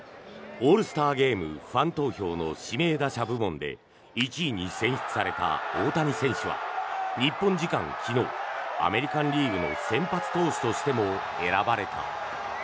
オールスターゲームファン投票の指名打者部門で１位に選出された大谷選手は日本時間昨日アメリカン・リーグの先発投手としても選ばれた。